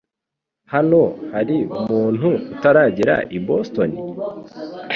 Hano hari umuntu utaragera i Boston?